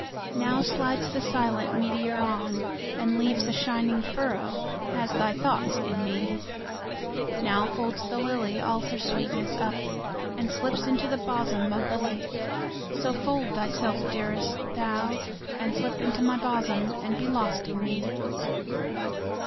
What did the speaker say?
Now slides the silent meteor on, and leaves A shining furrow, as thy thoughts in me. 10 Now folds the lily all her sweetness up, And slips into the bosom of the lake: So fold thyself, my dearest, thou, and slip Into my bosom and be lost in me.